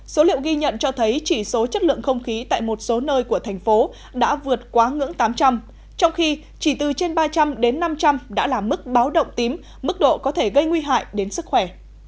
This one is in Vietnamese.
số liệu ghi nhận cho thấy chỉ số chất lượng không khí tại một số nơi của thành phố đã vượt quá ngưỡng tám trăm linh trong khi chỉ từ trên ba trăm linh đến năm trăm linh đã là mức báo động tím mức độ có thể gây nguy hại đến sức khỏe